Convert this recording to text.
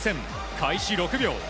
開始６秒。